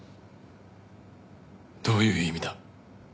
どういう意味だ？